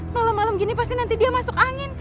malam malam gini pasti nanti dia masuk angin